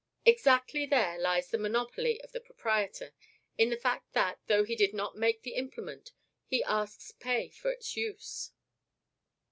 Exactly there lies the monopoly of the proprietor; in the fact that, though he did not make the implement, he asks pay for its use.